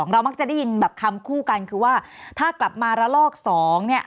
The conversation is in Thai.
เรามักจะได้ยินแบบคำคู่กันคือว่าถ้ากลับมาระลอกสองเนี่ย